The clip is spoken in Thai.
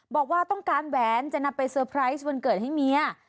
บอกว่าต้องการแหวนจะนำไปเซอร์ไพรส์วันเกิดให้เมีย